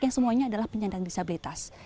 yang semuanya adalah penyandang disabilitas